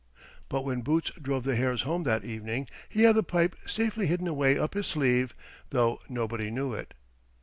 But when Boots drove the hares home that evening he had the pipe safely hidden away up his sleeve, though nobody knew it.